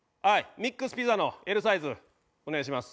ミックスピザのＬサイズお願いします。